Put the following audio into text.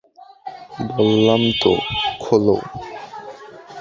বললাম তো খোলো।